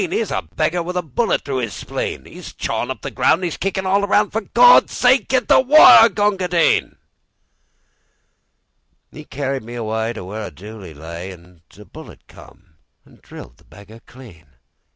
'Ere's a beggar with a bullet through 'is spleen;'E's chawin' up the ground an' 'e's kickin' all around:For Gawd's sake, git the water, Gunga Din!"'E carried me awayTo where a dooli lay, An' a bullet come an' drilled the beggar clean.